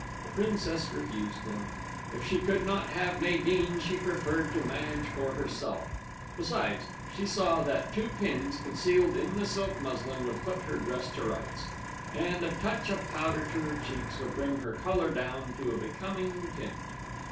The Princess refused them. If she could not have Nadine, she preferred to manage for herself, besides, she saw that two pins, concealed in the silk muslin, would put her dress to rights; and a touch of powder to her cheeks would bring her colour down to a becoming tint.